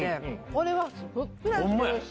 これはふっくらしてるし。